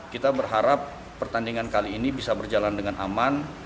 kita berharap pertandingan kali ini bisa berjalan dengan aman